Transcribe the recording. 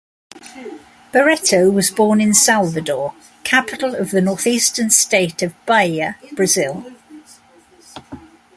Barreto was born in Salvador, capital of the northeastern state of Bahia, Brazil.